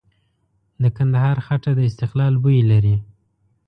د کندهار خټه د استقلال بوی لري.